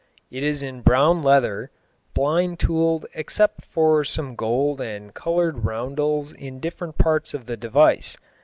It is in brown leather; blind tooled except for some gold and coloured roundels in different parts of the device.